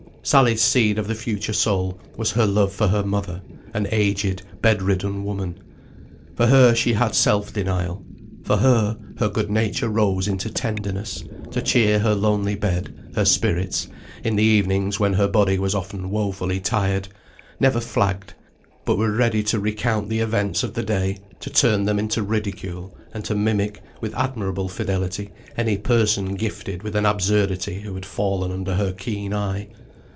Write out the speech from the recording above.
Sally's seed of the future soul was her love for her mother, an aged bedridden woman. For her she had self denial; for her, her good nature rose into tenderness; to cheer her lonely bed, her spirits, in the evenings when her body was often woefully tired, never flagged, but were ready to recount the events of the day, to turn them into ridicule, and to mimic, with admirable fidelity, any person gifted with an absurdity who had fallen under her keen eye.